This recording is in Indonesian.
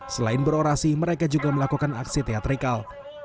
selain berorasi mereka juga melakukan aksi teatrikal